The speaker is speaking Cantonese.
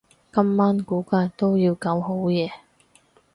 今晚估計都要搞好夜